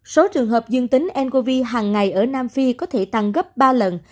số trường hợp dương tính ncov hàng ngày ở nam phi có thể tăng gấp ba lần